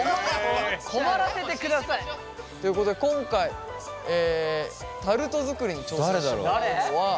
困らせてください！ということで今回タルト作りに挑戦してもらうのは。